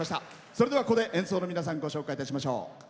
それではここで演奏の皆さんご紹介いたしましょう。